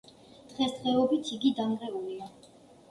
დღესდღეობით იგი დანგრეულია.